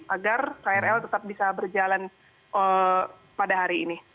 agar krl tetap bisa berjalan pada hari ini